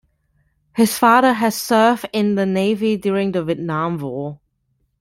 His father had served in the Navy during the Vietnam War.